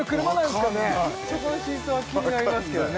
分かんないそこの真相は気になりますけどね